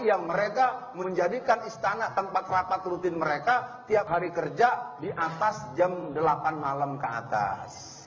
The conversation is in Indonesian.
yang mereka menjadikan istana tempat rapat rutin mereka tiap hari kerja di atas jam delapan malam ke atas